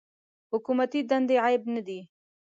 حکومتي دندې عیب نه دی.